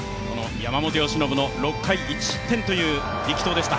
山本由伸の６回１失点という力投でした。